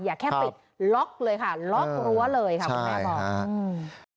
อย่าแค่ปิดล็อกเลยค่ะล็อกรั้วเลยครับคุณแม่บอก